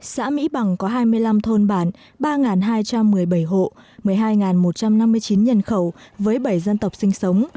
xã mỹ bằng có hai mươi năm thôn bản ba hai trăm một mươi bảy hộ một mươi hai một trăm năm mươi chín nhân khẩu với bảy dân tộc sinh sống